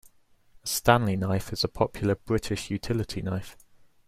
A Stanley knife is a popular British utility knife